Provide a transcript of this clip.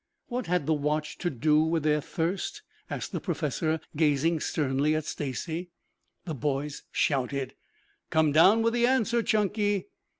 What had the watch to do with their thirst?" asked the professor gazing sternly at Stacy. The boys shouted. "Come down with the answer, Chunky."